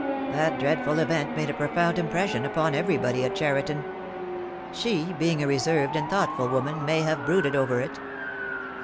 That dreadful event made a profound impression upon everybody at Cheriton. She, being a reserved and thoughtful woman, may have brooded over it."